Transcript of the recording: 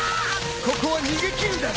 ここは逃げ切るんだ！